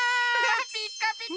ピッカピカ！